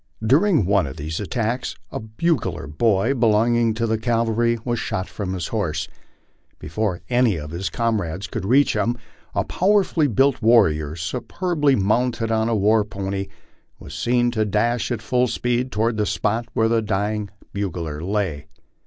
During one of these attacks a bugler boy belonging to the cavalry was shot from his horse; before any of his comrades could reach him, a power fully built warrior, superbly mounted on a war pony, was seen to dash at full speed toward the spot where the dying bugler lay.